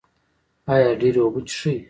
ایا ډیرې اوبه څښئ؟